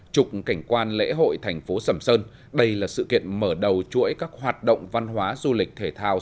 trục cảnh quan lễ hội thành phố sầm sơn đây là sự kiện mở đầu chuỗi các hoạt động văn hóa du lịch thể thao